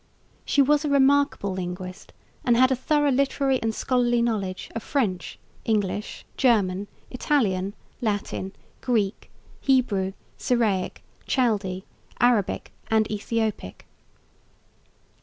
She was a remarkable linguist and had a thorough literary and scholarly knowledge of French, English, German, Italian, Latin, Greek, Hebrew, Syriac, Chaldee, Arabic and Ethiopic.